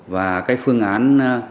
và cái phương án